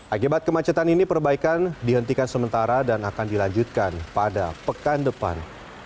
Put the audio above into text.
akibat kemacetan ini perbaikan dihentikan sementara dan akan dilanjutkan pada pekan depan